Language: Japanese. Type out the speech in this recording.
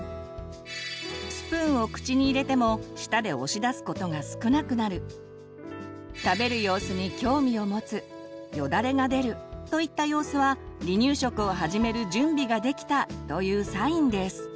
スプーンを口に入れても舌で押し出すことが少なくなる食べる様子に興味を持つよだれが出るといった様子は「離乳食を始める準備ができた」というサインです。